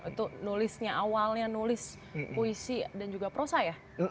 itu nulisnya awalnya nulis puisi dan juga prosa ya